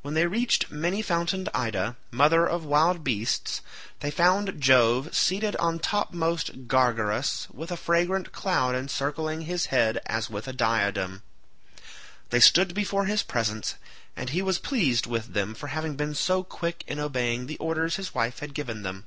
When they reached many fountained Ida, mother of wild beasts, they found Jove seated on topmost Gargarus with a fragrant cloud encircling his head as with a diadem. They stood before his presence, and he was pleased with them for having been so quick in obeying the orders his wife had given them.